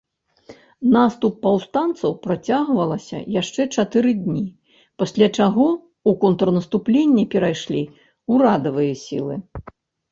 Наступ паўстанцаў працягвалася яшчэ чатыры дні, пасля чаго ў контрнаступленне перайшлі ўрадавыя сілы.